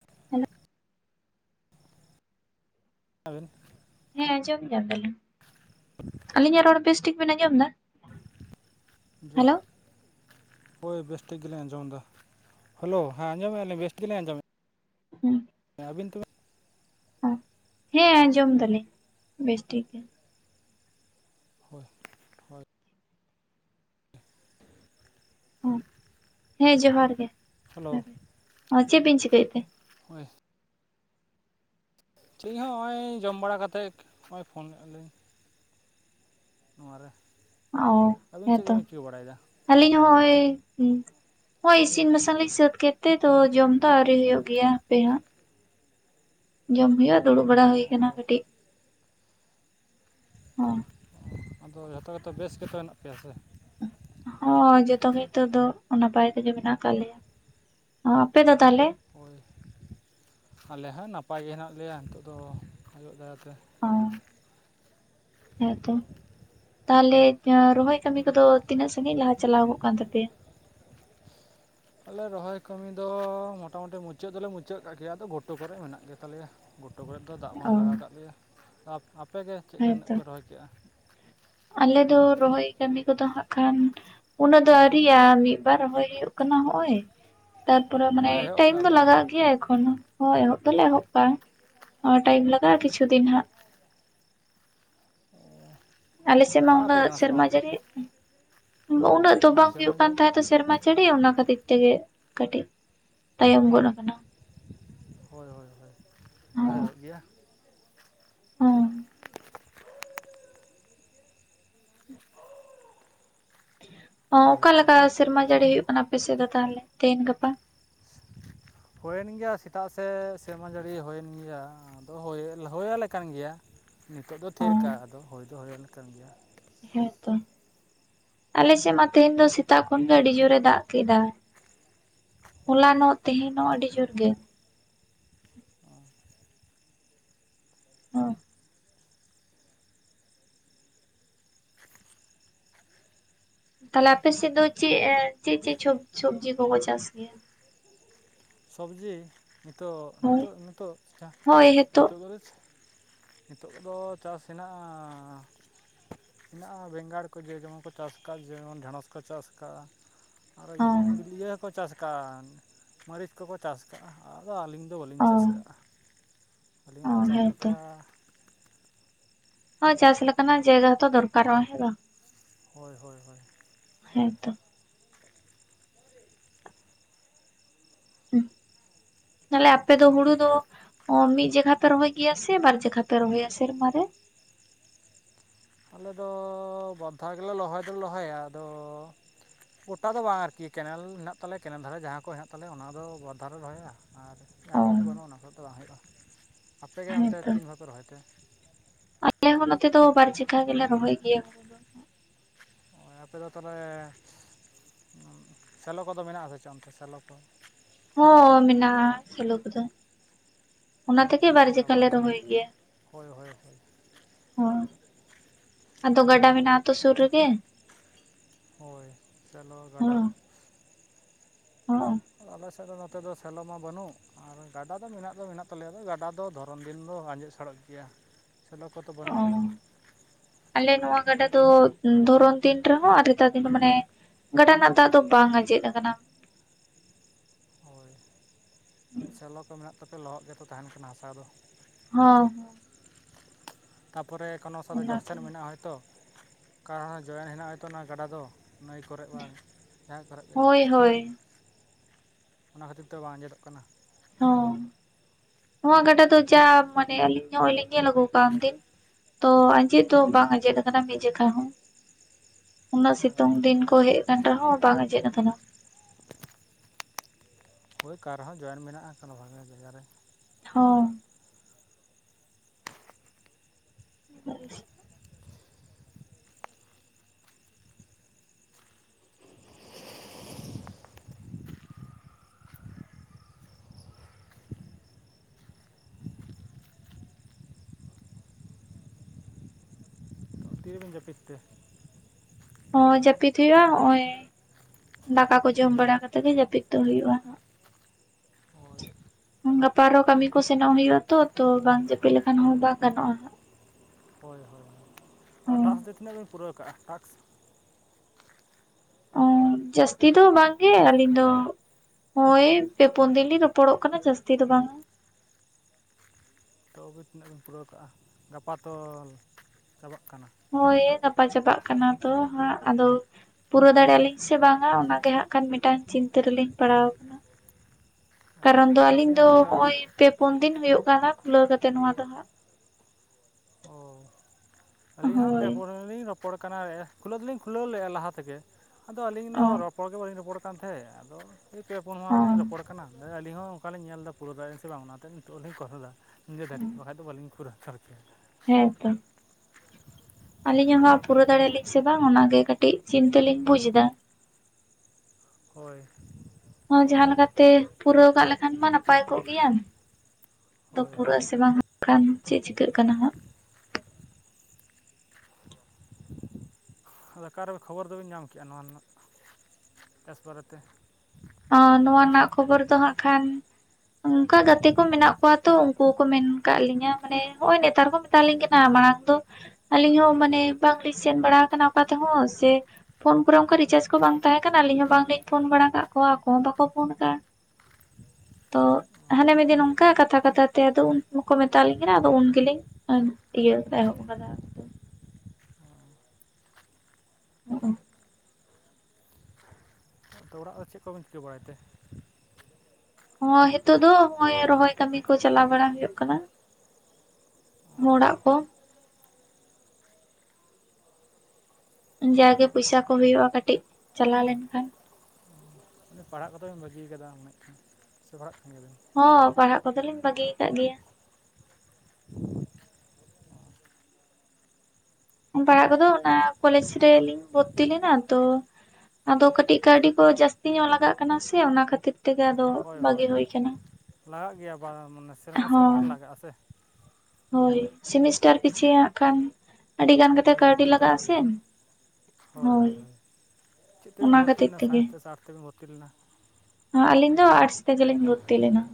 [unintelligible] [unintelligible] ᱦᱮᱸ ᱟᱸᱡᱚᱢ ᱧᱟᱢ ᱫᱟᱞᱤᱧ, ᱟᱹᱞᱤᱧᱟᱜ ᱨᱚᱲ ᱵᱮᱥ ᱴᱷᱤᱠ ᱵᱤᱱ ᱟᱸᱡᱚᱢ ᱫᱟ? [unintelligible] ᱦᱳᱭ ᱵᱮᱥ ᱴᱷᱤᱠ ᱜᱤᱞᱤᱧ ᱟᱸᱡᱚᱢ ᱫᱟ ᱦᱮᱞᱳ ᱦᱮᱸ ᱟᱸᱡᱚᱢᱮᱟᱞᱤᱧ ᱵᱮᱥ ᱛᱮᱜᱮᱞᱤᱧ ᱟᱸᱡᱚᱢᱮᱟ ᱾ [unintelligible] ᱦᱮᱸ ᱟᱹᱵᱤᱱ ᱛᱩᱵᱤᱱ [unintelligible] ᱦᱮᱸ ᱟᱸᱡᱚᱢ ᱫᱟᱞᱤᱧ ᱵᱮᱥ ᱴᱷᱤᱠ ᱜᱮ᱾ ᱦᱳᱭ᱾ ᱦᱳᱭ ᱦᱩᱸ ᱦᱮᱸ ᱡᱚᱦᱟᱨ ᱜᱮ ᱦᱮᱞᱳ ᱚᱠᱟᱨᱮ [unintelligible] ᱪᱮᱫ ᱵᱤᱱ ᱪᱤᱠᱟᱹᱭᱮᱫ ᱛᱮ? [unintelligible] ᱪᱮᱸ ᱦᱚᱸ ᱱᱚᱜᱼᱚᱭ ᱡᱚᱢ ᱵᱟᱲᱟ ᱠᱟᱛᱮ ᱱᱚᱜᱼᱚᱭ ᱯᱷᱳᱱ ᱞᱮᱟᱞᱤᱧ ᱾ ᱱᱚᱣᱟ ᱨᱮ ᱚ ᱦᱮᱸ ᱛᱚ ᱟᱹᱞᱤᱧ ᱦᱚᱸᱜᱼᱚᱭ ᱦᱩᱸ ᱦᱳᱭ ᱤᱭᱟᱹ ᱤᱥᱤᱱ ᱵᱟᱥᱟᱝ ᱞᱤᱧ ᱥᱟᱹᱛ ᱠᱮᱫ ᱛᱮ ᱛᱚ ᱡᱚᱢ ᱫᱚ ᱟᱹᱣᱨᱤ ᱦᱩᱭᱩᱜ ᱜᱮᱭᱟ ᱦᱟᱯᱮ ᱦᱟᱸᱜ ᱾ ᱡᱚᱢ ᱦᱳᱭᱳᱼᱟ ᱫᱩᱲᱩᱵ ᱵᱟᱲᱟ ᱦᱳᱭ ᱚ ᱠᱟᱱᱟ ᱠᱟᱹᱴᱤᱡ ᱾ ᱦᱚᱸ ᱟᱫᱚ ᱡᱷᱚᱛᱚ ᱜᱮᱛᱚ ᱵᱮᱥ ᱜᱮᱛᱚ ᱢᱮᱱᱟᱜ ᱯᱮᱭᱟ ᱥᱮ? ᱦᱚᱸ ᱡᱚᱛᱚ ᱜᱮ ᱱᱤᱛᱚᱜ ᱫᱚ ᱱᱟᱯᱟᱭ ᱛᱮᱜᱮ ᱢᱮᱱᱟᱜ ᱠᱟᱜ ᱞᱮᱭᱟ, ᱟᱯᱮ ᱫᱚ ᱛᱟᱦᱚᱞᱮ? ᱦᱳᱭ ᱟᱞᱮ ᱦᱚᱸ ᱱᱟᱯᱟᱭ ᱜᱮ ᱦᱮᱱᱟᱜ ᱞᱮᱭᱟ ᱱᱤᱛᱚᱜ ᱫᱚ ᱟᱹᱭᱩᱵ [inaudible] ᱚᱸ, ᱦᱮᱸ ᱛᱚ ᱾ ᱛᱟᱦᱚᱞᱮ ᱨᱚᱦᱚᱭ ᱠᱟᱹᱢᱤ ᱠᱚᱫᱚ ᱛᱤᱱᱟᱹᱜ ᱥᱟᱹᱜᱤᱧ ᱞᱟᱦᱟ ᱪᱟᱞᱟᱣᱚᱜ ᱠᱟᱱ ᱛᱟᱯᱮᱭᱟ? ᱟᱞᱮ ᱨᱚᱦᱚᱭ ᱠᱟᱹᱢᱤ ᱫᱚ ᱢᱚᱴᱟᱢᱩᱴᱤ ᱢᱩᱪᱟᱹᱫ ᱫᱚᱞᱮ ᱢᱩᱪᱟᱹᱫ ᱠᱟᱜ ᱜᱮᱭᱟ ᱟᱫᱚ ᱜᱷᱩᱴᱩ ᱠᱚᱨᱮ ᱢᱮᱱᱟᱜ ᱜᱮ ᱛᱟᱞᱮᱭᱟ᱾ ᱜᱩᱴᱩ ᱠᱚᱨᱮᱫ ᱫᱚ ᱫᱟᱜ ᱚ ᱵᱟᱝ ᱞᱟᱜᱟᱣ ᱠᱟᱜ ᱞᱮᱭᱟ ᱟᱯᱮᱜᱮ ᱪᱮᱫ ᱠᱚᱨᱮᱱᱟᱜ ᱦᱮᱸᱛᱚ ᱯᱮ ᱨᱚᱦᱚᱭ ᱠᱮᱜᱼᱟ? ᱟᱞᱮ ᱫᱚ ᱨᱚᱦᱚᱭ ᱠᱟᱹᱢᱤ ᱠᱚᱫᱚ ᱦᱟᱸᱜ ᱠᱷᱟᱱ ᱩᱱᱟᱹᱜ ᱫᱚ ᱟ. ᱣᱨᱤᱭᱟᱜᱼᱟ ᱢᱤᱫ ᱵᱟᱨ ᱨᱚᱦᱚᱭ ᱦᱩᱭᱩᱜ ᱠᱟᱱᱟ ᱦᱚᱸᱚᱭ ᱾ ᱛᱟᱨᱯᱚᱨᱮ ᱢᱟᱱᱮ ᱳᱭ ᱮᱦᱚᱵ ᱴᱟᱭᱤᱢ ᱠᱟᱜᱼᱟ ᱫᱚ ᱯᱮ ᱢᱟᱱᱮ ᱞᱟᱜᱟᱜ ᱜᱮᱭᱟ ᱮᱠᱷᱚᱱ ᱦᱚᱸ ᱾ ᱦᱳᱭ ᱮᱦᱚᱵ ᱫᱚᱞᱮ ᱮᱦᱚᱵ ᱠᱟᱜᱼᱟ ᱴᱟᱭᱤᱢ ᱞᱟᱜᱟᱜᱼᱟ ᱠᱤᱪᱷᱩ ᱫᱤᱱ ᱦᱟᱸᱜ᱾ ᱟᱞᱮ ᱥᱮᱫ ᱫᱟᱜ ᱢᱟ ᱟᱯᱮ ᱩᱱᱟᱹᱜ ᱠᱟᱱᱟ ᱥᱮ ᱵᱟᱝ ᱥᱮᱨᱢᱟ ᱚᱱᱛᱮ ᱫᱚ ᱡᱟᱹᱲᱤ ᱩᱱᱟᱹᱜ ᱫᱚ ᱦᱮᱸ ᱵᱟᱝ ᱦᱩᱭᱩᱜ ᱥᱮᱨᱢᱟ ᱠᱟᱱ ᱡᱟᱹᱲᱤ ᱛᱟᱦᱮᱸ ᱫᱚ- ᱥᱮᱨᱢᱟ ᱡᱟᱹᱲᱤ ᱚᱱᱟ ᱠᱷᱟᱹᱛᱤᱨ ᱛᱮᱜᱮ ᱠᱟᱹᱴᱤᱡ ᱛᱟᱭᱚᱢ ᱜᱚᱫ ᱟᱠᱟᱱᱟ ᱾ ᱦᱳᱭ ᱦᱳᱭ ᱦᱳᱭ ᱟᱫᱚ ᱦᱚᱸ ᱦᱩᱭᱩᱜ ᱜᱮᱭᱟ ᱾ ᱦᱚᱸ ᱚᱸ ᱟᱫᱚ ᱚᱠᱟ ᱦᱩᱭᱩᱜ ᱜᱮᱭᱟ ᱞᱮᱠᱟ ᱥᱮᱨᱢᱟ ᱡᱟᱹᱲᱤ ᱦᱩᱭᱩᱜ ᱠᱟᱱᱟ ᱟᱯᱮ ᱥᱮᱫ ᱫᱚ ᱛᱟᱦᱞᱮ ᱛᱮᱦᱮᱧ ᱜᱟᱯᱟ? ᱦᱩᱭᱮᱱ ᱜᱮᱭᱟ ᱥᱮᱛᱟᱜ ᱥᱮᱻ ᱥᱮᱨᱢᱟ ᱡᱟᱹᱲᱤ ᱦᱩᱭᱮᱱ ᱜᱮᱭᱟ ᱟᱫᱚ ᱦᱚᱭᱮᱼᱦᱳᱭ ᱟᱮᱞ ᱠᱟᱱ ᱜᱮᱭᱟ᱾ ᱱᱤᱛᱚᱜ ᱫᱚ ᱛᱷᱤᱨ ᱠᱟᱜᱼᱟ ᱟᱫᱚ ᱦᱳᱭ ᱫᱚ ᱦᱳᱭ ᱟᱞᱮ ᱠᱟᱱ ᱜᱮᱭᱟ᱾ ᱦᱮᱸ ᱛᱚ ᱾ ᱟᱞᱮ ᱥᱮᱫ ᱢᱟ ᱛᱮᱦᱮᱧ ᱫᱚ ᱥᱮᱛᱟᱜ ᱠᱷᱚᱱ ᱜᱮ ᱟᱹᱰᱤ ᱡᱳᱨᱮ ᱫᱟᱜ ᱠᱮᱫᱟ ᱾ ᱦᱳᱭ ᱦᱚᱞᱟ ᱱᱚᱜ ᱛᱮᱦᱮᱧ ᱱᱚᱜ ᱟᱹᱰᱤ ᱡᱳᱨ ᱜᱮ ᱾ [unintelligible] [unintelligible] [unintelligible] ᱛᱟᱦᱚᱞᱮ ᱟᱯᱮ ᱥᱮᱫ ᱫᱚ ᱪᱮᱫ ᱪᱮᱫ ᱪᱮᱫ ᱥᱚᱵᱽᱡᱤ ᱠᱚᱠᱚ ᱪᱟᱥ ᱜᱮᱭᱟ? ᱥᱚᱵᱽᱡᱤ ᱱᱤᱛᱚᱜ ᱦᱳᱭ ᱱᱤᱛᱚᱜ ᱱᱤᱛᱚᱜ ᱦᱳᱭ ᱦᱮᱛᱚᱜ ᱱᱤᱛᱚᱜ ᱫᱚ ᱱᱤᱛᱚᱜ ᱫᱚ ᱪᱟᱥ ᱦᱮᱱᱟᱜ-ᱟ ᱾ ᱦᱮᱱᱟᱜ-ᱟ ᱵᱮᱸᱜᱟᱲ ᱠᱚ ᱡᱮ ᱡᱮᱢᱚᱱ ᱠᱚ ᱪᱟᱥ ᱠᱟᱫ-ᱟ ᱡᱮᱢᱚᱱ ᱰᱷᱮᱸᱬᱚᱥ ᱠᱚ ᱪᱟᱥ ᱠᱟᱜ-ᱟ ᱾ ᱟᱨᱚ ᱚ ᱤᱭᱟᱹ ᱦᱚᱸᱠᱚ ᱪᱟᱥ ᱠᱟᱜ-ᱟ ᱢᱟᱹᱨᱤᱪ ᱠᱚᱠᱚ ᱪᱟᱥ ᱠᱟᱜ-ᱟ ᱾ ᱟᱹᱞᱤᱧ ᱫᱚ ᱵᱟᱹᱞᱤᱧ ᱚ ᱪᱟᱥ ᱠᱟᱜ-ᱟ ᱾ ᱚ ᱟᱹᱞᱤᱧᱟᱜ ᱫᱚ ᱪᱟᱥ ᱦᱮᱸᱛᱚ ᱞᱮᱠᱟ ᱪᱟᱥ ᱞᱮᱠᱟᱱᱟᱜ ᱡᱟᱭᱜᱟ ᱦᱚᱸᱛᱚ ᱫᱚᱨᱠᱟᱨᱚᱜ-ᱟ ᱦᱮᱸ ᱵᱟᱝ ᱾ ᱦᱳᱭ ᱦᱳᱭ ᱦᱳᱭ ᱾ ᱦᱮᱸ ᱛᱚ ᱾ [inaudible] [inaudible] ᱛᱟᱦᱞᱮ ᱟᱯᱮ ᱫᱚ ᱦᱩᱲᱩ ᱫᱚ ᱚ ᱢᱤᱫ ᱡᱚᱠᱷᱟ ᱯᱮ ᱨᱚᱦᱚᱭ ᱜᱮᱭᱟ ᱥᱮ ᱵᱟᱨ ᱡᱚᱠᱷᱟ ᱯᱮ ᱨᱚᱦᱚᱭᱟ ᱥᱮᱨᱢᱟ ᱨᱮ? ᱟᱞᱮ ᱫᱚ ᱵᱟᱨᱫᱷᱟᱣ ᱜᱮᱞᱮ ᱞᱚᱦᱚᱭ ᱫᱚᱞᱮ ᱞᱚᱦᱚᱭᱟ ᱟᱫᱚ ᱜᱚᱴᱟ ᱫᱚ ᱵᱟᱝ ᱟᱨᱠᱤ ᱠᱮᱱᱮᱞ ᱢᱮᱱᱟᱜ ᱛᱟᱞᱮ ᱠᱮᱱᱮᱞ ᱫᱷᱟᱨᱮ ᱡᱟᱦᱟᱸ ᱠᱚ ᱦᱮᱱᱟᱜ ᱛᱟᱞᱮ ᱚᱱᱟ ᱫᱚ ᱵᱟᱨ ᱫᱷᱟᱣ ᱞᱮ ᱨᱚᱦᱚᱭᱟ ᱟᱨ ᱚ ᱡᱟᱸᱦᱟ ᱠᱚᱨᱮ ᱫᱚ ᱵᱟᱹᱱᱩᱜ-ᱟ ᱚᱱᱟ ᱠᱚᱨᱮ ᱫᱚ ᱵᱟᱝ ᱦᱩᱭᱩᱜ-ᱟ ᱾ ᱟᱯᱮ ᱜᱮ ᱚᱱᱛᱮ ᱦᱮᱸᱛᱚ ᱛᱤᱱ ᱫᱷᱟᱣ ᱯᱮ ᱨᱚᱦᱚᱭ ᱛᱮ? ᱟᱞᱮ ᱦᱚᱸ ᱱᱚᱛᱮ ᱫᱚ ᱵᱟᱨ ᱡᱮᱠᱷᱟ ᱜᱮᱞᱮ ᱨᱚᱦᱚᱭ ᱜᱮᱭᱟ ᱾ ᱦᱳᱭ ᱟᱯᱮ ᱫᱚ ᱛᱚᱵᱮ [inaudible] ᱥᱮᱞᱚ ᱠᱚᱫᱚ ᱢᱮᱱᱟᱜ-ᱟ ᱥᱮ ᱪᱮᱫ ᱚᱱᱛᱮ ᱥᱮᱞᱚ ᱠᱚ? ᱦᱚᱸ ᱢᱮᱱᱟᱜ-ᱟ ᱥᱮᱞᱳ ᱠᱚᱫᱚ ᱾ ᱚᱱᱟ ᱛᱮᱜᱮ ᱳᱭ ᱵᱟᱨ ᱛᱟᱦᱚᱞᱮ ᱡᱮᱠᱷᱟ ᱟᱵᱟᱨ ᱞᱮ ᱨᱚᱦᱚᱭ ᱜᱮᱭᱟ ᱾ [inaudible] ᱦᱳᱭ ᱦᱳᱭ ᱦᱳᱭ ᱦᱳᱭ ᱾ [inaudible] ᱟᱫᱚ ᱜᱟᱰᱟ ᱢᱮᱱᱟᱜ-ᱟ ᱛᱚ ᱥᱩᱨ ᱨᱮᱜᱮ ᱾ ᱦᱳᱭ ᱥᱮᱞᱳ ᱜᱟᱰᱟ ᱦᱚᱸᱜ-ᱚ ᱾ ᱟᱞᱮᱥᱮᱫ ᱫᱚ ᱱᱚᱛᱮ ᱫᱚ ᱥᱮᱞᱚ ᱢᱟ ᱵᱟᱱᱩᱜ ᱾ ᱟᱨ ᱜᱟᱰᱟ ᱫᱚ ᱢᱮᱱᱟᱜ ᱫᱚ ᱢᱮᱱᱟᱜ ᱛᱟᱞᱮᱭᱟ ᱫᱚ ᱜᱟᱰᱟ ᱫᱚ ᱫᱷᱚᱨᱚᱱ ᱫᱤᱱ ᱫᱚ ᱟᱸᱡᱮᱫ ᱥᱟᱲᱚᱜ ᱜᱮᱭᱟ ᱾ ᱛᱚᱞᱟ ᱠᱚᱛᱚ ᱚ ᱵᱟᱹᱱᱩᱜ ᱟᱞᱮ ᱱᱚᱣᱟ ᱜᱟᱰᱟ ᱫᱚ ᱫᱷᱚᱨᱚᱱ ᱫᱤᱱ ᱨᱮᱦᱚᱸ ᱟᱨ ᱱᱮᱛᱟᱨ ᱫᱤᱱ ᱦᱚᱸ ᱢᱟᱱᱮ ᱜᱟᱰᱟ ᱨᱮᱱᱟᱜ ᱫᱟᱜ ᱫᱚ ᱵᱟᱝ ᱟᱡᱮᱫ ᱟᱠᱟᱱᱟ ᱾ ᱦᱳᱭ [inaudible] ᱥᱮᱞᱚ ᱠᱚ ᱢᱮᱱᱟᱜ ᱛᱟᱯᱮ ᱞᱚᱦᱚᱫ ᱜᱮᱛᱚ ᱛᱟᱦᱮᱱ ᱠᱟᱱᱟ ᱦᱟᱥᱟ ᱫᱚ ᱾ ᱦᱚᱸ ᱾ ᱛᱟᱯᱚᱨᱮ ᱠᱳᱱᱳ ᱥᱟᱫᱟ ᱚᱱᱟ ᱡᱚᱠᱥᱮᱱ ᱛᱮᱜᱮ ᱢᱮᱱᱟᱜ-ᱟ ᱦᱚᱭᱛᱚ ᱚᱱᱠᱟ ᱦᱚᱸ ᱡᱚᱭᱮᱱ ᱦᱮᱱᱟᱜ-ᱟ ᱦᱚᱭᱛᱚ ᱚᱱᱟ ᱜᱟᱰᱟ ᱫᱚ ᱾ ᱱᱟᱹᱭ ᱠᱚᱨᱮ ᱵᱟᱝ ᱡᱟᱦᱟᱸ ᱠᱚᱨᱮᱜ ᱜᱮ ᱾ ᱦᱮ ᱦᱳᱭ ᱾ ᱚᱱᱟ ᱠᱷᱟᱹᱛᱤᱨ ᱛᱮ ᱵᱟᱝ ᱟᱸᱡᱮᱫᱚᱜ ᱠᱟᱱᱟ ᱾ ᱦᱚᱸ ᱾ ᱱᱚᱣᱟ ᱜᱟᱰᱟ ᱫᱚ ᱡᱟ ᱢᱟᱱᱮ ᱟᱹᱞᱤᱧ ᱦᱚᱜᱚᱭ ᱞᱤᱧ ᱧᱮᱞ ᱟᱹᱜᱩ ᱠᱟᱜ-ᱟ ᱩᱱᱫᱤᱱ ᱛᱚ ᱟᱸᱡᱮᱫ ᱫᱚ ᱦᱳᱭ ᱵᱟᱝ ᱟᱸᱡᱮᱫ ᱠᱟᱱᱟ ᱢᱤᱫ ᱡᱮᱠᱷᱟ ᱦᱚᱸ ᱾ [inaudible] ᱩᱱᱟᱹᱜ ᱥᱤᱛᱩᱝ ᱫᱤᱱ ᱠᱚ ᱦᱮᱡ ᱟᱠᱟᱱ ᱨᱮᱦᱚᱸ ᱵᱟᱝ ᱟᱸᱡᱮᱫ ᱟᱠᱟᱱᱟ ᱾ ᱦᱳᱭ ᱚᱠᱟ ᱨᱮᱦᱚᱸ ᱡᱚᱭᱮᱱ ᱢᱮᱱᱟᱜ-ᱟ ᱠᱚᱱᱳ ᱵᱷᱟᱜᱮᱧᱚᱜ ᱡᱟᱭᱜᱟ ᱨᱮ ᱾ ᱦᱚᱸ ᱾ [inaudible] ᱛᱤ ᱨᱮᱵᱤᱱ ᱡᱟᱹᱯᱤᱫ ᱛᱮ? ᱦᱚᱸ ᱡᱟᱹᱯᱤᱫ ᱦᱩᱭᱩᱜ-ᱟ ᱦᱚᱸᱜ-ᱚᱭ ᱫᱟᱠᱟ ᱠᱚ ᱡᱚᱢ ᱵᱟᱲᱟ ᱠᱟᱛᱮᱜ ᱜᱮ ᱡᱟᱹᱯᱤᱫ ᱫᱚ ᱦᱩᱭᱩᱜ-ᱟ ᱾ ᱦᱳᱭ ᱜᱟᱯᱟ ᱟᱨᱦᱚᱸ ᱠᱟᱹᱢᱤ ᱠᱚ ᱥᱮᱱᱚᱜ ᱦᱩᱭᱩᱜ-ᱟ ᱛᱚ, ᱛᱚ ᱵᱟᱝ ᱡᱟᱹᱯᱤᱫ ᱞᱮᱠᱷᱟᱱ ᱦᱚᱸ ᱵᱟᱝ ᱜᱟᱱᱚᱜ-ᱟ ᱾ ᱦᱳᱭ ᱦᱳᱭ ᱟᱨ ᱦᱩᱸ ᱴᱟᱥᱠ ᱫᱚ ᱛᱤᱱᱟᱹᱜ ᱵᱮᱱ ᱯᱩᱨᱟᱹᱣ ᱠᱟᱜ-ᱟ ᱴᱟᱥᱠ? ᱚ ᱡᱟᱹᱥᱛᱤ ᱫᱚ ᱵᱟᱝᱜᱮ ᱟᱹᱞᱤᱧ ᱫᱚ ᱦᱳᱭ ᱯᱮ ᱯᱩᱱ ᱫᱤᱱ ᱞᱤᱧ ᱨᱚᱯᱚᱲᱚᱜ ᱠᱟᱱᱟ ᱡᱟᱹᱥᱛᱤ ᱫᱚ ᱵᱟᱝ ᱾ ᱛᱚ ᱟᱹᱰᱤ ᱛᱤᱱᱟᱹᱜ ᱵᱤᱱ ᱯᱩᱨᱟᱹᱣ ᱠᱟᱜᱼᱟ ᱜᱟᱯᱟ ᱛᱚ ᱪᱟᱵᱟᱜ ᱠᱟᱱᱟ᱾ ᱦᱳᱭ ᱜᱟᱯᱟ ᱪᱟᱵᱟᱜ ᱠᱟᱱᱟ ᱛᱚ ᱦᱟᱸᱜ ᱟᱫᱚ ᱯᱩᱨᱟᱹᱣ ᱫᱟᱲᱮᱭᱟᱜ ᱟᱞᱤᱧ ᱥᱮ ᱵᱟᱝᱟ ᱚᱱᱟᱜ ᱜᱮ ᱦᱟᱸᱜ᱾ ᱠᱷᱟᱱ ᱢᱤᱫᱴᱟᱝ ᱪᱤᱱᱛᱟᱹ ᱨᱮᱞᱤᱧ ᱯᱟᱲᱟᱣ ᱟᱠᱟᱱᱟ ᱚ ᱠᱟᱨᱚᱱ ᱫᱚ ᱟᱹᱞᱤᱧ ᱫᱚ ᱦᱚᱸ ᱚᱱᱠᱟ ᱦᱚᱜᱼᱚᱭ ᱯᱮ ᱯᱳᱱ ᱫᱤᱱ ᱦᱳᱭᱳᱜ ᱠᱟᱱᱟ ᱠᱷᱩᱞᱟᱹᱣ ᱠᱟᱛᱮᱜ ᱱᱚᱣᱟ ᱫᱚ ᱦᱟᱸᱜ ᱾ ᱚᱻ ᱟᱹᱞᱤᱧ ᱦᱚᱸ ᱯᱮ ᱦᱳᱭ ᱯᱩᱨᱟᱹ [unintelligible] ᱞᱤᱧ ᱨᱚᱯ ᱨᱚᱯᱚᱲ ᱠᱟᱱᱟ ᱠᱷᱩᱞᱟᱹᱣ ᱫᱚᱞᱤᱧ ᱠᱷᱩᱞᱟᱹᱣ ᱞᱮᱜᱼᱟ ᱞᱟᱦᱟ ᱛᱮᱜᱮ ᱟᱫᱚ ᱟᱹᱞᱤᱧ ᱫᱚ ᱚ ᱨᱚᱯᱚᱲ ᱜᱮ ᱵᱟᱹᱞᱤᱧ ᱨᱚᱯᱚᱲ ᱠᱟᱱᱟ᱾ ᱠᱟᱱ ᱛᱟᱦᱮᱸᱫ ᱟᱫᱚ ᱯᱮ ᱯᱩᱱ ᱚ ᱢᱟᱦᱟᱸ ᱞᱤᱧ ᱨᱚᱯᱚᱲ ᱠᱟᱱᱟ᱾ ᱟᱹᱞᱤᱧ ᱦᱚᱸ ᱚᱱᱠᱟᱞᱤᱧ ᱧᱮᱞ ᱮᱫᱟ ᱯᱩᱨᱟᱹᱣ ᱫᱟᱲᱮ ᱟᱞᱤᱧ ᱥᱮ ᱵᱟᱝ ᱚᱱᱟᱛᱮ ᱱᱤᱛᱚᱜ ᱞᱤᱧ ᱠᱚᱞ ᱫᱟ ᱱᱡᱮ ᱫᱷᱟᱹᱨᱤᱡ ᱵᱟᱠᱷᱟᱡ ᱫᱚ ᱵᱟᱹᱞᱤᱧ ᱯᱩᱨᱟᱹᱫᱟ᱾ [unintelligible] ᱦᱮᱸ ᱛᱚ᱾ ᱟᱹᱞᱤᱧ ᱦᱚᱸ ᱦᱟᱸ ᱯᱩᱨᱟᱹᱣ ᱫᱟᱲᱮᱭᱟᱞᱤᱧ ᱥᱮ ᱵᱟᱝ ᱚᱱᱟ ᱜᱮ ᱠᱟᱹᱴᱤᱡ ᱪᱤᱱᱛᱟᱹ ᱞᱤᱧ ᱵᱩᱡ ᱫᱟ᱾ ᱦᱳᱭ᱾ ᱦᱚᱸ ᱡᱟᱦᱟᱸ ᱞᱮᱠᱟᱛᱮ ᱯᱩᱨᱟᱹᱣ ᱠᱟᱜ ᱞᱮᱠᱷᱟᱱ ᱢᱟ ᱱᱟᱯᱟᱭ ᱠᱚᱜ ᱜᱮᱭᱟ᱾ ᱫᱚ ᱦᱳᱭ ᱯᱩᱨᱟᱹᱜ ᱦᱳᱭ ᱟᱥᱮ ᱵᱟᱝ ᱪᱮᱫ ᱪᱤᱠᱟᱹᱜ ᱠᱟᱱᱟ ᱱᱟᱜ᱾ ᱟᱫᱚ ᱚᱠᱟᱨᱮ ᱠᱷᱚᱵᱚᱨ ᱫᱚᱵᱮᱱ ᱧᱟᱢ ᱠᱮᱜᱼᱟ ᱱᱚᱣᱟ ᱨᱮ ᱱᱟᱜ, ᱴᱟᱥ ᱵᱟᱨᱮᱛᱮ? ᱱᱚᱣᱟ ᱨᱮᱱᱟᱜ ᱠᱷᱚᱵᱚᱨ ᱫᱚ ᱦᱟᱜ ᱠᱷᱟᱱ ᱚᱱᱠᱟ ᱜᱟᱛᱮ ᱠᱚ ᱢᱮᱱᱟᱜ ᱠᱚᱣᱟ ᱛᱚ ᱩᱱᱠᱩ ᱠᱚ ᱢᱮᱱ ᱠᱟᱜ ᱞᱤᱧᱟᱹ ᱢᱟᱱᱮ ᱦᱚᱜᱼᱚᱭ ᱱᱮᱛᱟᱨ ᱠᱚ ᱢᱮᱛᱟᱞᱤᱧ ᱠᱟᱱᱟ ᱢᱟᱲᱟᱝ ᱫᱚ ᱟᱹᱞᱤᱧ ᱦᱚᱸ ᱢᱟᱱᱮ ᱵᱟᱝᱞᱤᱧ ᱥᱮᱱ ᱵᱟᱲᱟ ᱟᱠᱟᱱᱟ ᱚᱠᱟ ᱛᱮᱦᱚᱸ ᱥᱮ ᱯᱷᱳᱱ ᱠᱚᱨᱮ ᱚᱱᱠᱟ ᱨᱤᱪᱨᱡᱽ ᱠᱚ ᱵᱟᱝ ᱛᱟᱦᱮᱸ ᱠᱟᱱᱟ ᱵᱟᱝᱞᱤᱧ ᱯᱷᱳᱱ ᱵᱟᱲᱟ ᱠᱟᱜᱼᱟ ᱠᱚᱣᱟ ᱠᱚ ᱵᱟᱠᱚ ᱯᱷᱳᱱ ᱠᱟ ᱛᱚ᱾ ᱦᱟᱱᱮ ᱢᱤᱫ ᱫᱤᱱ ᱱᱚᱝᱠᱟ ᱠᱟᱛᱷᱟ ᱠᱟᱛᱷᱟ ᱛᱮ ᱟᱫᱚ ᱩᱱᱠᱩ ᱠᱚ ᱢᱮᱛᱟ ᱞᱤᱧ ᱠᱟᱱᱟ ᱟᱫᱚ ᱩᱱ ᱜᱮᱞᱤᱧ ᱟᱨ ᱫᱤᱭᱮ ᱮᱦᱚᱵ ᱠᱟᱫᱟ᱾ [unintelligible] ᱟᱫᱚ ᱚᱲᱟᱜ ᱫᱚ ᱪᱮᱫ ᱠᱚᱵᱮᱱ ᱪᱤᱠᱟᱹ ᱵᱟᱲᱟᱭ ᱛᱮ? ᱦᱚᱸ ᱱᱤᱛᱚᱜ ᱫᱚ ᱱᱚᱜᱚᱭ ᱨᱚᱦᱚᱭ ᱠᱟᱹᱢᱤ ᱠᱚ ᱪᱟᱞᱟᱣ ᱵᱟᱲᱟ ᱦᱳᱭᱳᱜ ᱠᱟᱱᱟ ᱾ ᱦᱚᱲᱟᱜ ᱠᱚ᱾ ᱡᱟᱜᱮ ᱯᱚᱭᱥᱟ ᱠᱚ ᱦᱳᱭᱳᱜᱼᱟ ᱠᱟᱹᱴᱤᱡ ᱪᱟᱞᱟᱣ ᱞᱮᱱᱠᱷᱟᱱ᱾ ᱯᱟᱲᱦᱟᱜ ᱠᱚᱫᱚ ᱵᱤᱱ ᱵᱟᱹᱜᱤᱭᱟ ᱠᱟᱫᱟ ᱢᱮᱱ ᱦᱳᱭᱳᱜ ᱠᱟᱱᱟ, ᱥᱮ ᱯᱟᱲᱦᱟᱜ ᱠᱟᱱ ᱜᱮᱭᱟᱵᱤᱱ? ᱦᱚᱸ ᱯᱟᱲᱦᱟᱜ ᱠᱚᱫᱚᱞᱤᱧ ᱵᱟᱹᱜᱤ ᱠᱟᱜ ᱜᱮᱭᱟ᱾ [unintelligible] ᱯᱟᱲᱦᱟᱜ ᱠᱚᱫᱚ ᱚᱱᱟ ᱠᱚᱞᱮᱡᱽ ᱨᱮᱞᱤᱧ ᱵᱷᱚᱨᱛᱤ ᱞᱮᱱᱟ ᱛᱚ ᱟᱫᱚ ᱠᱟᱹᱴᱤᱡ ᱠᱟᱹᱣᱰᱤ ᱠᱚ ᱡᱟᱹᱥᱛᱤ ᱧᱚᱜ ᱞᱟᱜᱟᱜ ᱠᱟᱱᱟ ᱥᱮ ᱚᱱᱟ ᱠᱷᱟᱹᱛᱤᱨ᱾ ᱛᱮᱜᱮ ᱟᱫᱚ ᱦᱳᱭ ᱵᱟᱜᱤ ᱦᱳᱭ ᱦᱩᱭ ᱠᱟᱱᱟ ᱦᱚᱸ᱾ ᱱᱟᱥᱮ ᱦᱳᱭ, ᱥᱮᱢᱤᱥᱴᱟᱨ ᱯᱤᱪᱷᱟᱹ ᱦᱟᱜ ᱠᱷᱟᱱ, ᱟᱹᱰᱤ ᱜᱟᱱ ᱠᱟᱛᱮᱜ ᱦᱳᱭ ᱠᱟᱹᱣᱰᱤ ᱵᱷᱚᱨᱛᱤ ᱛᱮ ᱞᱟᱜᱟᱜ ᱟᱥᱮ᱾ ᱜᱮᱭᱟ ᱦᱳᱭ ᱦᱳᱭ ᱦᱳᱭ, ᱪᱮᱫ ᱚᱱᱟ ᱛᱮᱵᱤᱱ ᱵᱷᱚᱨᱛᱤ ᱠᱷᱟᱹᱛᱤᱨ ᱞᱮᱱᱟ ᱥᱟᱭᱤᱱᱥ ᱛᱮ ᱥᱮ ᱟᱨᱴᱥ ᱛᱮᱵᱮᱱ ᱵᱷᱚᱨᱛᱤ ᱞᱮᱱᱟ? ᱟᱞᱤ ᱫᱚ ᱟᱴᱥ ᱜᱮᱞᱤᱧ ᱵᱷᱚᱨᱛᱤ ᱞᱮᱱᱟ᱾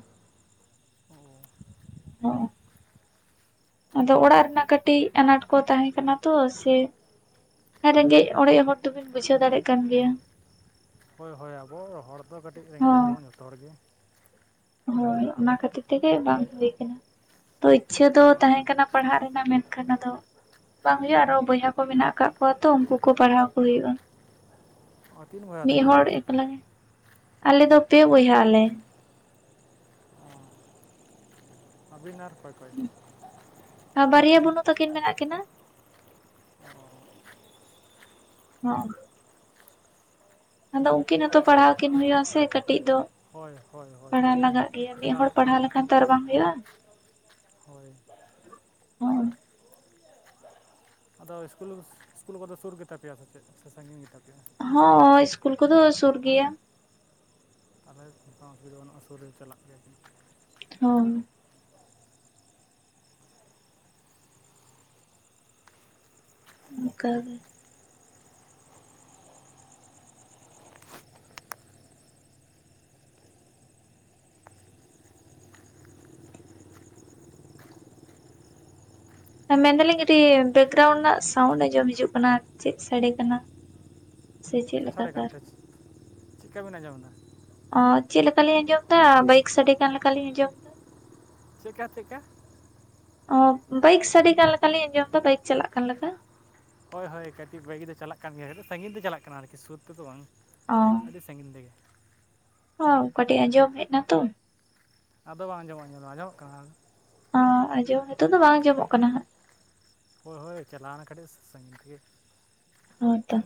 ᱦᱚᱜᱼᱚ᱾ ᱟᱫᱚ ᱚᱲᱟᱜ ᱨᱮᱱᱟᱜ ᱠᱟᱹᱴᱤᱡ ᱟᱱᱟᱴ ᱠᱚ ᱛᱟᱦᱮᱸ ᱠᱟᱱᱟ ᱛᱚ ᱥᱮ ᱨᱮᱸᱜᱮᱡ ᱚᱲᱮᱡ ᱦᱚᱲ ᱛᱚᱵᱤᱱ ᱵᱩᱡᱷᱟᱹᱣ ᱫᱟᱲᱮᱭᱟᱜ ᱠᱟᱱ ᱜᱮᱭᱟ᱾ ᱦᱳᱭ ᱦᱳᱭ ᱟᱵᱚ ᱦᱚᱲ ᱫᱚ ᱠᱟᱹᱴᱤᱡ ᱨᱮᱸᱜᱮᱡ ᱦᱚᱸ ᱜᱮᱭᱟᱵᱚᱱ ᱡᱷᱚᱛᱚ ᱦᱚᱲ ᱜᱮ᱾ ᱦᱳᱭ ᱚᱱᱟ ᱠᱷᱟᱹᱛᱤᱨ ᱛᱮᱜᱮ ᱵᱟᱝ ᱦᱩᱭ ᱠᱟᱱᱟ ᱛᱚ ᱤᱪᱷᱟᱹ ᱫᱚ ᱦᱳᱭ ᱛᱟᱦᱮᱸ ᱦᱳᱭ ᱠᱟᱱᱟ᱾ ᱯᱟᱲᱦᱟᱜ ᱨᱮᱱᱟᱜ ᱢᱮᱱᱠᱷᱟᱱ ᱟᱫᱚ ᱵᱟᱝ ᱦᱳᱭᱳᱜᱼᱟ ᱟᱨᱦᱚᱸ ᱵᱚᱭᱦᱟ ᱠᱚ ᱢᱮᱱᱟᱜ ᱟᱠᱟᱜ ᱠᱚᱣᱟ ᱛᱚ ᱩᱱᱠᱩ ᱠᱚ ᱯᱟᱲᱦᱟᱣ ᱠᱚ ᱦᱳᱭᱳᱜᱼᱟ ᱾ ᱚ ᱛᱤᱱ ᱵᱚᱭᱦᱟ ᱢᱤᱫ ᱛᱚᱵᱮ ᱟᱯᱮ ᱦᱚᱲ ᱫᱚ ᱮᱠᱟᱞᱟ ᱜᱮ, ᱟᱞᱮ ᱫᱚ ᱯᱮ ᱵᱚᱭᱦᱟᱜ ᱟᱞᱮ᱾ ᱟᱵᱤᱱ ᱟᱨ ᱚᱠᱚᱭ ᱵᱟᱨᱭᱟ ᱵᱩᱱᱩ ᱛᱟᱹᱠᱤᱱ ᱢᱮᱱᱟᱜ ᱠᱤᱱᱟ᱾ ᱦᱮᱸ᱾ ᱟᱫᱚ ᱩᱱᱠᱤᱱ ᱦᱚᱸᱛᱚ ᱯᱟᱲᱦᱟᱣ ᱠᱤᱱ ᱦᱩᱭᱩᱜ ᱟ ᱥᱮ ᱠᱟᱹᱴᱤᱡ ᱫᱚ᱾ ᱦᱳᱭ ᱦᱳᱭ ᱦᱳᱭ ᱯᱟᱲᱦᱟᱣ ᱦᱳᱭ ᱞᱟᱜᱟᱜ ᱜᱮᱭᱟ ᱢᱤᱫ ᱮᱠᱞᱟ ᱦᱚᱲ ᱯᱟᱲᱦᱟᱣ ᱞᱮᱠᱷᱟᱱ ᱛᱚ ᱟᱨ ᱵᱟᱝ ᱦᱩᱭᱩᱜᱼᱟ᱾ ᱦᱳᱭ᱾ ᱦᱮ ᱟᱫᱚ ᱤᱥᱠᱩᱞ ᱤᱥᱠᱩᱞ ᱠᱚᱫᱚ ᱥᱩᱨ ᱜᱮᱛᱟ ᱯᱮᱭᱟ ᱥᱮᱪᱮᱫ ᱥᱮ ᱥᱟᱺᱜᱤᱧ ᱜᱮᱛᱟ ᱯᱮᱭᱟ? ᱦᱚᱸ ᱤᱥᱠᱩᱞ ᱠᱚ ᱫᱚ ᱥᱩᱨ ᱜᱮᱭᱟ᱾ ᱛᱟᱦᱚᱞᱮ ᱚᱥᱤᱵᱤᱫᱷᱟ ᱫᱚ ᱵᱟᱹᱱᱩᱜᱼᱟ ᱥᱩᱨ ᱨᱮ ᱪᱟᱞᱟᱜ ᱜᱮᱭᱟ ᱠᱤᱱ᱾ ᱦᱮ᱾ ᱚᱱᱠᱟᱜᱮ᱾ ᱢᱮᱱᱫᱟᱞᱤᱧ ᱠᱟᱹᱴᱤᱡ ᱵᱮᱠᱜᱨᱟᱣᱩᱱᱰ ᱨᱮᱱᱟᱜ ᱥᱟᱣᱩᱱᱰ ᱟᱸᱡᱚᱢ ᱦᱤᱡᱩᱜ ᱠᱟᱱᱟ ᱪᱮᱫ ᱥᱟᱰᱮ ᱠᱟᱱᱟ? ᱥᱮ ᱪᱮᱫ ᱞᱮᱠᱟ ᱥᱟᱰᱮ ᱛᱟᱨ ᱠᱟᱱᱛᱮ ᱪᱮᱫᱠᱟ ᱵᱮᱱ ᱟᱸᱡᱚᱢ ᱮᱫᱟ? ᱚ ᱪᱮᱫ ᱞᱮᱠᱟᱞᱤᱧ ᱟᱸᱡᱚᱢ ᱫᱟ ᱵᱟᱭᱤᱠ ᱥᱟᱰᱮ ᱠᱟᱱ ᱞᱮᱠᱟ ᱞᱤᱧ ᱟᱸᱡᱚᱢ ᱮᱫᱟ᱾ ᱪᱮᱜᱠᱟ ᱪᱮᱜᱠᱟ? ᱚ ᱵᱟᱭᱤᱠ ᱥᱟᱰᱮ ᱠᱟᱱ ᱞᱮᱠᱟᱞᱤᱧ ᱟᱸᱡᱚᱢ ᱮᱫᱟ ᱵᱟᱭᱤᱠ ᱪᱟᱞᱟᱜ ᱠᱟᱱ ᱞᱮᱠᱟ᱾ ᱦᱳᱭ ᱦᱳᱭ ᱠᱟᱹᱴᱤᱡ ᱵᱟᱭᱤᱠ ᱫᱚ ᱪᱟᱞᱟᱜ ᱠᱟᱱ ᱜᱮᱭᱟ ᱠᱟᱹᱴᱤᱡ ᱥᱟᱺᱜᱤᱧ ᱛᱮ ᱪᱟᱞᱟᱜ ᱠᱟᱱᱟ ᱟᱨᱠᱤ ᱥᱩᱨ ᱛᱮᱫᱚ ᱵᱟᱝ᱾ ᱚ ᱟᱹᱰᱤ ᱥᱟᱺᱜᱤᱧ ᱨᱮᱜᱮ᱾ ᱳ ᱠᱟᱹᱴᱤᱡ ᱟᱸᱡᱚᱢ ᱦᱮᱡ ᱱᱟ ᱛᱚ᱾ ᱟᱫᱚ ᱵᱟᱝ ᱟᱸᱡᱚᱢᱟ, ᱟᱸᱡᱚᱢ ᱚᱜ ᱠᱟᱱᱟ? ᱚ ᱟᱸᱡᱚᱢ ᱱᱤᱛᱚᱜ ᱫᱚ ᱵᱟᱝ ᱟᱸᱡᱚᱢᱚᱜ ᱠᱟᱱᱟ ᱦᱟᱸᱜ᱾ ᱦᱳᱭ ᱦᱳᱭ ᱪᱟᱞᱟᱣᱱᱟ ᱠᱟᱹᱴᱤᱡ ᱥᱟᱺᱜᱤᱧ ᱛᱮᱜᱮ᱾ ᱦᱮᱸ ᱛᱚ᱾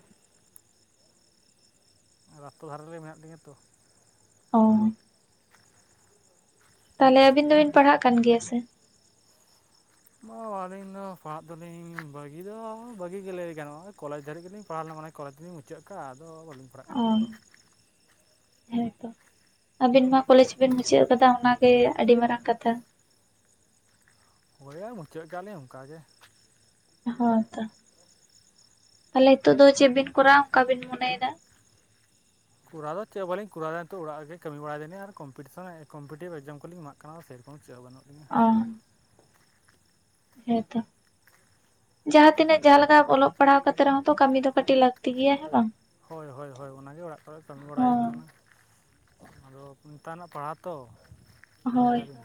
ᱨᱟᱥᱛᱟ ᱫᱷᱟᱨᱮ ᱨᱮ ᱢᱮᱱᱟᱜ ᱞᱤᱧᱟᱹ ᱛᱚ᱾ ᱚ᱾ ᱛᱟᱦᱚᱞᱮ ᱟᱵᱤᱱ ᱫᱚᱵᱤᱱ ᱯᱟᱲᱦᱟᱜ ᱠᱟᱱ ᱜᱮᱭᱟ ᱥᱮ? ᱟᱹᱞᱤᱧ ᱫᱚ ᱯᱟᱲᱦᱟᱜ ᱫᱚᱞᱤᱧ ᱵᱟᱹᱜᱤ ᱫᱚ ᱵᱟᱹᱜᱤ ᱜᱮ ᱞᱟᱹᱭ ᱜᱟᱱᱚᱜ ᱠᱚᱞᱮᱡᱽ ᱫᱷᱟᱨᱤᱡ ᱜᱮᱞᱤᱧ ᱯᱟᱲᱦᱟᱣ ᱞᱮᱱᱟ ᱢᱟᱱᱮ᱾ ᱠᱚᱞᱮᱡᱽ ᱞᱤᱧ ᱢᱩᱪᱟᱹᱫ ᱟᱠᱟ ᱟᱫᱚ ᱵᱟᱹᱞᱤᱧ ᱯᱟᱲᱦᱟᱜ ᱚ᱾ ᱠᱟᱱ ᱛᱟᱦᱮᱸᱫ ᱦᱮᱸ ᱛᱚ ᱟᱵᱤᱱ ᱢᱟ ᱠᱚᱞᱮᱡᱽ ᱵᱤᱱ ᱢᱩᱪᱟᱹᱫ ᱟᱠᱟᱫᱟ ᱚᱱᱟ ᱜᱮ ᱟᱹᱰᱤ ᱢᱟᱨᱟᱝ ᱠᱟᱛᱷᱟ᱾ ᱦᱳᱭ ᱟᱨ ᱢᱩᱪᱟᱹᱫ ᱠᱟᱜ ᱞᱤᱧ ᱚᱱᱠᱟ ᱜᱮ᱾ ᱦᱳᱭ ᱛᱚ ᱛᱟᱦᱞᱮ ᱱᱤᱛᱚᱜ ᱫᱚ ᱪᱮᱫ ᱵᱤᱱ ᱠᱚᱨᱟᱣᱟ ᱚᱱᱠᱟ ᱵᱤᱱ ᱢᱚᱱᱮᱭᱮᱫᱟ? ᱠᱚᱨᱟᱣ ᱫᱚ ᱪᱮᱫ ᱵᱟᱞᱤᱧ ᱠᱚᱨᱟᱣ ᱫᱟ ᱱᱤᱛᱚᱜ ᱚᱲᱟᱜ ᱨᱮ ᱜᱮ ᱠᱟᱹᱢᱤ ᱵᱟᱲᱟᱭ ᱮᱫᱟ ᱫᱤᱧ ᱟᱨ ᱠᱚᱢᱯᱤᱴᱤᱥᱚᱱ ᱠᱚᱯᱴᱤᱵᱷ ᱮᱠᱡᱟᱢ ᱠᱚᱞᱤᱧ ᱮᱢᱟᱜ ᱠᱟᱱᱟ ᱥᱮᱨᱚᱠᱚᱢ ᱪᱮᱫ ᱦᱚᱸ [unintelligible] ᱚ ᱦᱮᱸ ᱛᱚ᱾ ᱡᱟᱦᱟᱸ ᱛᱤᱱᱟᱹᱜ ᱡᱟᱦᱟᱸ ᱞᱮᱠᱟ ᱚᱞᱚᱜ ᱯᱟᱲᱦᱟᱣ ᱠᱟᱛᱮ ᱨᱮᱦᱚᱸ ᱠᱟᱹᱢᱤ ᱫᱚ ᱠᱟᱹᱴᱤᱡ ᱞᱟᱹᱠᱛᱤ ᱜᱮᱭᱟ ᱦᱮᱸ ᱵᱟᱝ᱾ ᱦᱳᱭ ᱦᱳᱭ ᱦᱳᱭ ᱚᱱᱟᱜᱮ ᱚᱲᱟᱜ ᱠᱚᱨᱮ ᱠᱟᱹᱢᱤ ᱵᱟᱲᱟ ᱦᱩᱭᱩᱜ ᱦᱚᱸ ᱠᱟᱱᱟ᱾ ᱟᱫᱚ ᱱᱮᱛᱟᱨᱱᱟᱜ ᱯᱟᱲᱦᱟᱣ ᱛᱚ ᱵᱩᱡᱷᱟᱹᱣ ᱦᱳᱭ ᱫᱟᱵᱤᱱ᱾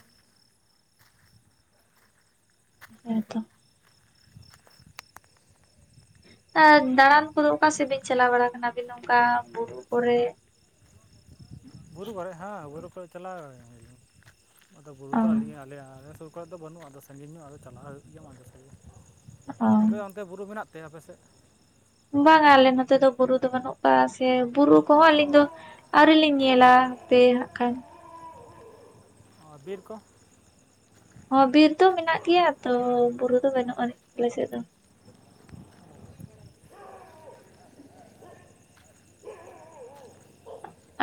ᱦᱮ ᱛᱚ᱾ ᱚᱱᱠᱟ ᱫᱟᱬᱟᱱ ᱠᱚᱫᱚ ᱚᱠᱟ ᱥᱮᱫ ᱵᱤᱱ ᱪᱟᱞᱟᱣ ᱵᱟᱲᱟ ᱟᱠᱟᱱᱟ ᱟᱹᱵᱤᱱ ᱚᱱᱠᱟ ᱵᱩᱨᱩ ᱠᱚᱨᱮ? ᱵᱩᱨᱩ ᱠᱚᱨᱮᱡ ᱦᱮᱸ ᱵᱩᱨᱩ ᱠᱚ ᱨᱮ ᱪᱟᱞᱟᱣ ᱟᱫᱚ ᱵᱩᱨᱩ ᱚ ᱫᱚ ᱟᱹᱞᱤᱧ ᱟᱞᱮ ᱟ ᱥᱩᱨ ᱠᱚ ᱨᱮ ᱫᱚ ᱵᱟᱹᱱᱩᱜᱼᱟ ᱟᱫᱚ ᱥᱟᱺᱜᱤᱧ ᱧᱚᱜ ᱟᱫᱚ ᱪᱟᱞᱟᱣ ᱦᱩᱭᱩᱜ ᱜᱮᱭᱟ ᱢᱟᱡᱷᱮᱸ ᱥᱟᱡᱷᱮ, ᱚ ᱟᱯᱮ ᱛᱮ ᱵᱩᱨᱩ ᱢᱮᱱᱟᱜ ᱛᱮ ᱟᱯᱮ ᱥᱮᱫ? ᱵᱟᱝᱟ ᱟᱞᱮ ᱱᱚᱛᱮ ᱫᱚ ᱵᱩᱨᱩ ᱫᱚ ᱵᱟᱹᱱᱩᱜ ᱠᱟᱜ-ᱟ ᱥᱮ ᱵᱩᱨᱩ ᱠᱚᱦᱚᱸ ᱟᱹᱞᱤᱧ ᱫᱚ ᱟᱹᱣᱨᱤ ᱞᱤᱧ ᱧᱮᱞᱟ ᱦᱟᱯᱮ ᱦᱟᱸᱜ ᱠᱷᱟᱱ᱾ ᱚ ᱵᱤᱨ ᱠᱚ? ᱦᱚᱸ ᱵᱤᱨ ᱫᱚ ᱢᱮᱱᱟᱜ ᱜᱮᱭᱟ ᱛᱚ ᱵᱩᱨᱩ ᱫᱚ ᱵᱟᱹᱱᱩᱜ ᱟᱹᱱᱤᱡ ᱟᱞᱮ ᱥᱮᱫ ᱫᱚ᱾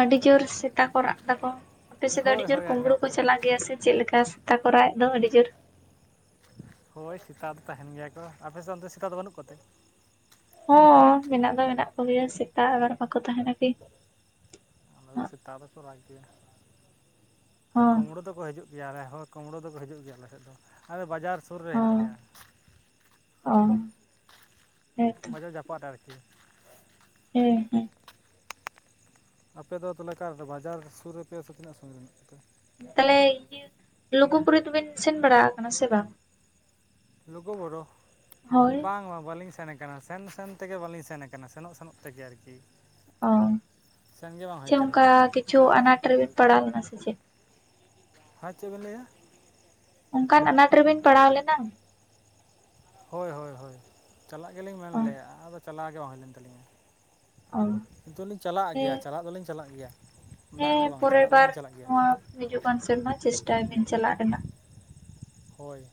ᱟᱹᱰᱤ ᱡᱳᱨ ᱥᱮᱛᱟ ᱠᱚ ᱨᱟᱜ ᱫᱟᱠᱚ, ᱟᱯᱮ ᱥᱮᱫ ᱫᱚ ᱦᱳᱭ ᱟᱹᱰᱤ ᱡᱳᱨ ᱦᱳᱭ ᱠᱳᱢᱵᱽᱲᱳ ᱟᱸᱡᱚᱢᱚᱜ ᱠᱚ ᱠᱟᱱᱟ ᱪᱟᱞᱟᱜ ᱜᱮᱭᱟ ᱥᱮ ᱪᱮᱫ ᱞᱮᱠᱟ ᱥᱮᱛᱟ ᱠᱚ ᱨᱟᱜ ᱮᱫ ᱫᱚ ᱟᱹᱰᱤ ᱡᱳᱨ? ᱦᱳᱭ ᱥᱮᱛᱟ ᱫᱚ ᱛᱟᱦᱮᱱ ᱜᱮᱭᱟ ᱠᱚ ᱟᱯᱮ ᱥᱮᱫ ᱚᱱᱛᱮ ᱥᱮᱛᱟ ᱫᱚ ᱵᱟᱹᱱᱩᱜ ᱠᱚᱛᱮ? ᱦᱚᱸ ᱢᱮᱱᱟᱜ ᱫᱚ ᱢᱮᱱᱟᱜ ᱠᱚᱜᱮᱭᱟ ᱥᱮᱛᱟ ᱟᱵᱟᱨ ᱵᱟᱠᱚ ᱛᱟᱦᱮᱱᱟ ᱠᱤ᱾ ᱱᱚᱸᱰᱮ ᱫᱚ ᱥᱮᱛᱟ ᱫᱚᱠᱚ ᱨᱟᱜ ᱜᱮᱭᱟ ᱟᱨ ᱦᱚᱸ ᱠᱩᱢᱵᱽᱲᱩ ᱫᱚᱠᱚ ᱦᱤᱡᱩᱜ ᱜᱮᱭᱟ ᱞᱮ ᱦᱚᱸ ᱠᱩᱢᱵᱲᱩ ᱫᱚᱠᱚ ᱦᱤᱡᱩᱜ ᱜᱮᱭᱟ ᱟᱞᱮ ᱥᱮᱫ ᱫᱚ᱾ ᱟᱞᱮ ᱵᱟᱡᱟᱨ ᱥᱩᱨ ᱨᱮ ᱦᱮᱱᱟᱜ ᱦᱚᱸ ᱞᱮᱭᱟ᱾ ᱚ᱾ ᱦᱮᱸᱛᱚ ᱵᱟᱡᱟᱨ ᱡᱟᱯᱟᱜ ᱨᱮ ᱟᱨᱠᱤ᱾ ᱦᱮᱸ ᱦᱮᱸ᱾ ᱟᱯᱮ ᱫᱚ ᱛᱟᱞᱦᱮ ᱚᱠᱟ ᱨᱮᱫᱚ ᱵᱟᱡᱟᱨ ᱥᱩᱨ ᱨᱮ ᱯᱮᱭᱟ ᱥᱮ ᱛᱤᱱᱟᱹᱜ ᱥᱟᱹᱜᱤᱧ ᱨᱮ ᱢᱮᱱᱟᱜ ᱯᱮᱛᱮ? ᱛᱟᱞᱦᱮ ᱤᱭᱟᱹ ᱞᱩᱜᱩ ᱵᱩᱨᱩ ᱫᱩᱵᱤᱱ ᱥᱮᱱ ᱵᱟᱲᱟ ᱟᱠᱟᱱᱟ ᱥᱮ ᱵᱟᱝ? ᱞᱩᱜᱩ ᱵᱩᱨᱩ, ᱦᱳᱭ ᱵᱟᱝ ᱵᱟᱝ ᱵᱟᱹᱞᱤᱧ ᱥᱮᱱ ᱠᱟᱱᱟ ᱥᱮᱱ ᱥᱮᱱ ᱛᱮᱜᱮ ᱵᱟᱹᱞᱤᱧ ᱥᱮᱱ ᱟᱠᱟᱱᱟ ᱥᱮᱱᱚᱜ ᱥᱮᱱᱚᱜ ᱛᱮᱜᱮ ᱟᱨᱠᱤ ᱚᱸ ᱥᱮᱱ ᱜᱮ ᱵᱟᱝ ᱦᱩᱭ ᱪᱮᱫ ᱟᱠᱟᱱᱟ ᱚᱱᱠᱟ ᱠᱤᱪᱷᱩ ᱞᱟᱹᱭ ᱫᱟᱹᱞᱤᱧ ᱟᱱᱟᱴ ᱨᱮᱵᱤᱱ ᱯᱟᱲᱟᱣ ᱞᱮᱱᱟ ᱥᱮ ᱪᱮᱫ? ᱦᱚᱭ ᱪᱮᱜ ᱵᱤᱱ ᱞᱟᱹᱭᱟ? ᱚᱝᱠᱟᱱ ᱟᱱᱟᱴ ᱨᱮᱵᱤᱱ ᱯᱟᱲᱟᱣ ᱞᱮᱱᱟ? ᱦᱳᱭ ᱦᱳᱭ ᱦᱳᱭ, ᱪᱟᱞᱟᱜ ᱜᱮᱞᱤᱧ ᱢᱮᱱ ᱚ ᱞᱮᱜ-ᱜ ᱟᱫᱚ ᱪᱟᱞᱟᱣ ᱜᱮ ᱵᱟᱝ ᱦᱩᱭ ᱞᱮᱱ ᱛᱟᱹᱞᱤᱧᱟ᱾ ᱚ᱾ ᱠᱤᱱᱛᱩ ᱞᱤᱧ ᱪᱟᱞᱟᱜ ᱜᱮᱭᱟ, ᱦᱮᱸ ᱪᱟᱞᱟᱜ ᱫᱚᱞᱤᱧ ᱪᱟᱞᱟᱜ ᱜᱮᱭᱟ, ᱵᱟᱝ ᱫᱚ ᱦᱮᱸ ᱵᱟᱝ, ᱯᱚᱨᱮᱨ ᱪᱟᱞᱟᱜ ᱵᱟᱨ ᱫᱚᱞᱤᱧ ᱪᱟᱞᱟᱜ ᱜᱮᱭᱟ ᱾ ᱱᱚᱣᱟ ᱦᱤᱡᱩᱜ ᱠᱟᱱ ᱥᱮᱨᱢᱟ ᱪᱮᱥᱴᱟᱭ ᱵᱤᱱ ᱪᱟᱞᱟᱜ ᱨᱮᱱᱟᱜ᱾ ᱦᱳᱭ᱾